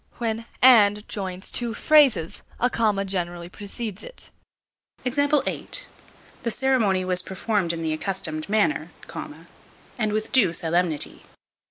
When "and" joins two phrases, a comma generally precedes it. The ceremony was performed in the accustomed manner, and with due solemnity.